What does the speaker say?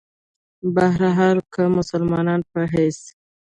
بهرحال کۀ د مسلمان پۀ حېث